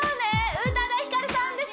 宇多田ヒカルさんです